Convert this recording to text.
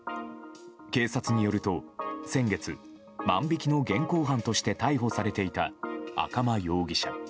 警察によると先月、万引きの現行犯逮捕として逮捕されていた赤間容疑者。